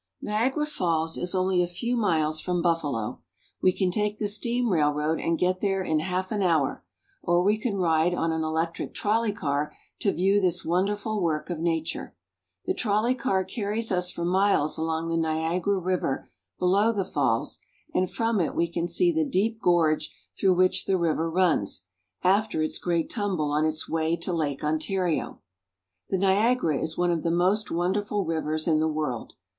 NIAGARA FALLS is only a few miles from Buffalo. We can take the steam railroad and get there in half an hour, or we can ride on an electric trolley car to view this wonderful work of nature. The trolley car carries us for miles along the Niagara River below the falls, and from it we can see the deep gorge through which the river runs, after its great tumble, on its way to Lake Ontario. The Niagara is one of the most wonderful rivers in the world.